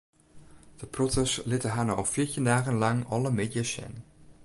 De protters litte har no al fjirtjin dagen lang alle middeis sjen.